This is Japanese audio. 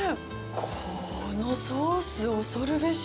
このソース恐るべし。